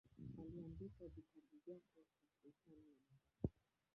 Aliandika vitabu vyake kwa sultani wa Mombasa.